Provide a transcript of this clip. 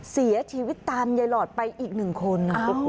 เสียชีวิตตามยายหลอดไปอีกหนึ่งคน